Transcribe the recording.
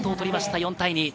４対２。